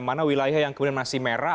mana wilayah yang kemudian masih merah